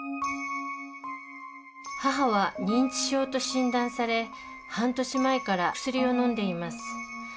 母は認知症と診断され半年前から薬をのんでいます。